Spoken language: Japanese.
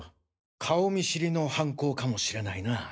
顔見知りの犯行かもしれないな。